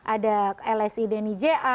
ada lsi deni ja